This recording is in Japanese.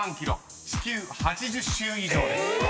［地球８０周以上です］